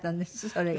それが。